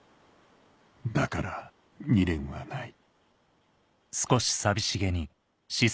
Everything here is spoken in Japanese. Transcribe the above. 「だから未練はない」